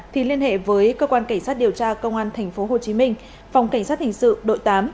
thì liên hệ với cơ quan cảnh sát điều tra công an tp hcm phòng cảnh sát hình sự đội tám